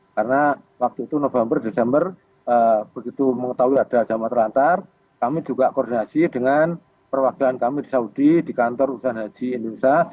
karena waktu itu november desember begitu mengetahui ada jemaah terlantar kami juga koordinasi dengan perwakilan kami di saudi di kantor usaha haji indonesia